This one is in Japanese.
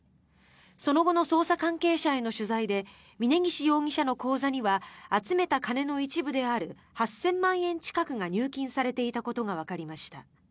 その後の捜査関係者への取材で峯岸容疑者の口座には集めた金の一部である８０００万円近くが入金されていたことがわかりました。